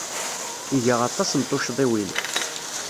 Iga aṭas n tuccḍiwin.